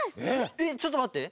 えっちょっとまって。